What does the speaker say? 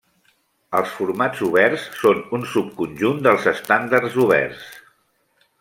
Els formats oberts són un subconjunt dels estàndards oberts.